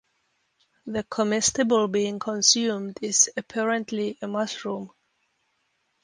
The comestible being consumed is apparently a mushroom.